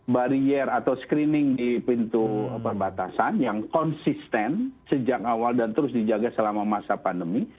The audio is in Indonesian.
barier atau screening di pintu perbatasan yang konsisten sejak awal dan terus dijaga selama masa pandemi